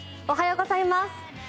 おはようございます。